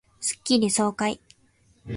スッキリ爽快